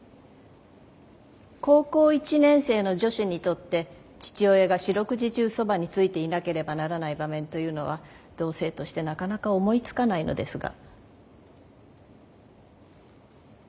高校１年生の女子にとって父親が四六時中そばについていなければならない場面というのは同性としてなかなか思いつかないのですが。